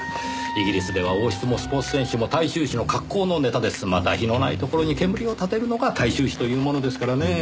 イギリスでは王室もスポーツ選手も大衆紙の格好のネタです。また火のないところに煙を立てるのが大衆紙というものですからねぇ。